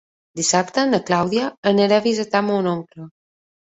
Dissabte na Clàudia anirà a visitar mon oncle.